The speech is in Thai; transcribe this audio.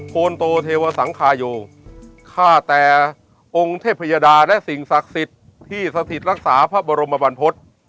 คนโตเทวสังคาโยฆ่าแต่องค์เทพยดาและสิ่งศักดิ์สิทธิ์ที่สถิตรักษาพระบรมบรรพฤษ